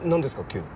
急に。